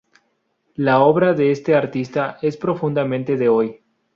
La obra de este artista es profundamente de hoy.